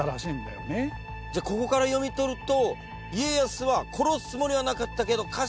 じゃあここから読み取ると。